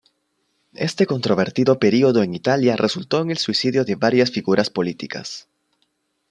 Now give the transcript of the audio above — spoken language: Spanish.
Este controvertido período en Italia resultó en el suicidio de varias figuras políticas.